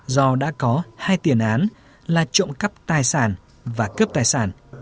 do đã có hai tiền án là trộm cắp tài sản và cướp tài sản